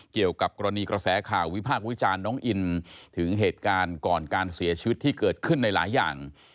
เกี่ยวกับกรณีกระแสข่าววิพากษ์วิจารณ์น้องอินถึงเหตุการณ์ก่อนการเสียชีวิตที่เกิดขึ้นในหลายอย่าง